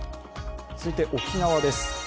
続いて沖縄です。